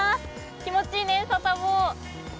気持ちいいね、サタボー。